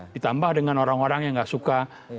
ditambah dengan orang orang yang gak suka